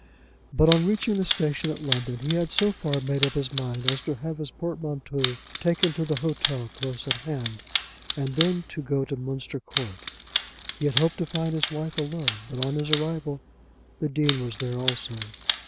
But on reaching the station in London he had so far made up his mind as to have his portmanteau taken to the hotel close at hand, and then to go to Munster Court. He had hoped to find his wife alone; but on his arrival the Dean was there also.